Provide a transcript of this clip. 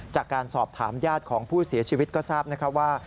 จากการสอบถามญาติของผู้เสียชีวิตก็ทราบนะครับว่า